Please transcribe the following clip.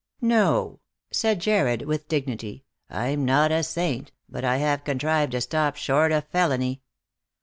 "No," said Jarred with dignity; "I'm not a saint, but I have contrived to stop short of felony."